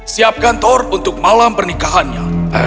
siapkan tor untuk malam pernikahannya